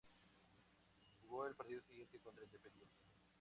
Jugó el partido siguiente contra Independiente.